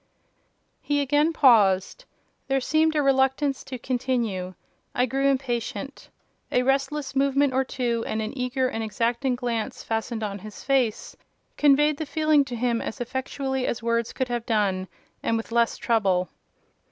He again paused: there seemed a reluctance to continue. I grew impatient: a restless movement or two, and an eager and exacting glance fastened on his face, conveyed the feeling to him as effectually as words could have done, and with less trouble.